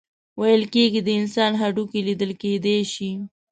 ویل کیږي د انسان هډوکي لیدل کیدی شي.